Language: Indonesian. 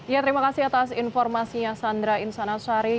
ya terima kasih atas informasinya sandra insanasari